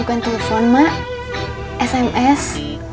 bukan telepon mak sms